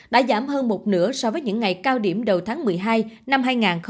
đã giảm hơn một nửa so với những ngày cao điểm đầu tháng một mươi hai năm hai nghìn hai mươi